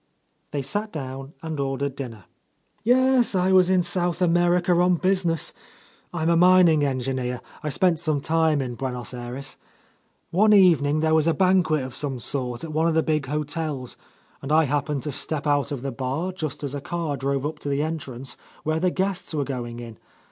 They sat down and ordered dinner. "Yes, I was in South America on business. I'm a mining engineer, I spent some time in Buenos Ayres. One evening there was a banquet of some sort at one of the big hotels, and I hap pened to step out of the bar, just as a car drove up to the entrance where the guests were going in.